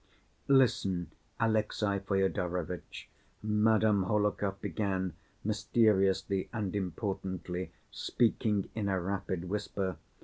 Listen, Alexey Fyodorovitch," Madame Hohlakov began mysteriously and importantly, speaking in a rapid whisper.